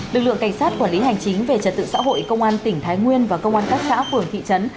lực lượng cảnh sát quản lý hành chính về trật tự xã hội công an tỉnh thái nguyên và công an các xã phường thị trấn